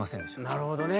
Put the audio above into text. なるほどね。